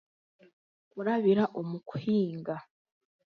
Okurabira omu kuhinga